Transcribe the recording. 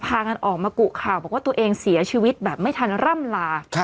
พากันออกมากุข่าวบอกว่าตัวเองเสียชีวิตแบบไม่ทันร่ำลา